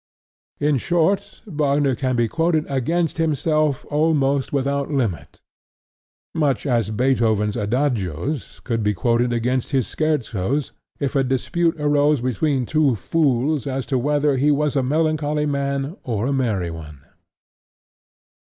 In short, Wagner can be quoted against himself almost without limit, much as Beethoven's adagios could be quoted against his scherzos if a dispute arose between two fools as to whether he was a melancholy man or a merry one.